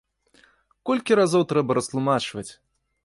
Колькі разоў трэба растлумачваць!